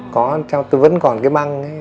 có trong tôi vẫn còn cái băng ấy